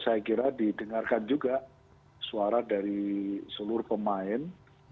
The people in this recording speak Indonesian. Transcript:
saya kira didengarkan juga suara dari seluruh pemain